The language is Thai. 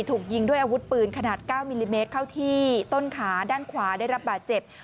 ถูกยิงด้วยอาวุธปืนขนาด๙มิลลิเมตรเข้าที่ต้นขาด้านขวาได้รับบาดเจ็บ